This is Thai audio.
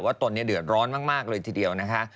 ตนเดือดร้อนมากเลยทีเดียวนะคะ